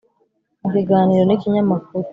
mu kiganiro n’ikinyamakuru ,